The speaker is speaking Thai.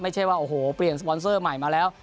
ไม่ใช่ว่าโอ้โหเปลี่ยนสปอนเซอร์ใหม่มาแล้ว